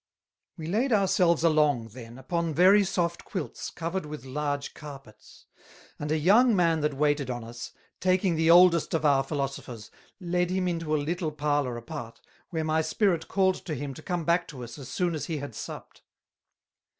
We laid our selves along, then, upon very soft Quilts, covered with large Carpets; and a young man that waited on us, taking the oldest of our Philosophers, led him into a little parlour apart, where my Spirit called to him to come back to us as soon as he had supped.